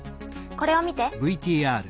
これを見て。